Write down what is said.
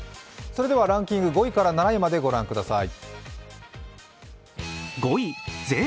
ランキング５位から７位まで御覧ください。